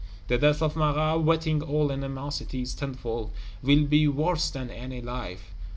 The death of Marat, whetting old animosities tenfold, will be worse than any life.